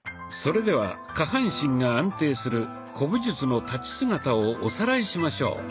それでは下半身が安定する古武術の立ち姿をおさらいしましょう。